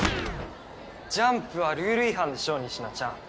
ジャンプはルール違反でしょ仁科ちゃん